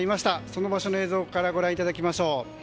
その場所の映像からご覧いただきましょう。